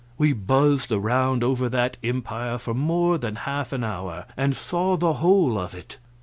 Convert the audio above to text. We buzzed around over that empire for more than half an hour, and saw the whole of it.